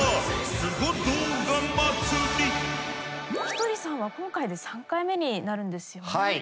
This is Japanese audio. ひとりさんは今回で３回目になるんですよね。